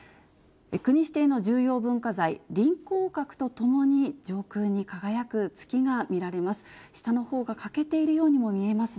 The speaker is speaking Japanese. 国指定の重要文化財、臨江閣とともに上空に輝く月が見られます。